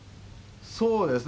そうですね。